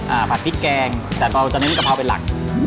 อ่าผัดพริกแกงแต่ตอนนี้กะเพราเป็นหลัก